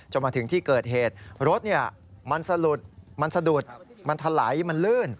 มาถึงที่เกิดเหตุรถมันสะมันสะดุดมันถลายมันลื่น